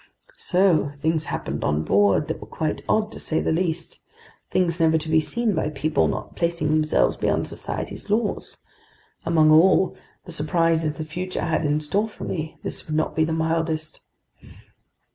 So things happened on board that were quite odd to say the least, things never to be seen by people not placing themselves beyond society's laws! Among all the surprises the future had in store for me, this would not be the mildest.